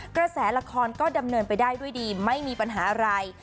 กระแสละครก็ดำเนินไปได้ด้วยดีไม่มีปัญหาอะไร